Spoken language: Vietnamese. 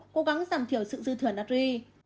cố gắng giảm thiểu sự dư thừa nacri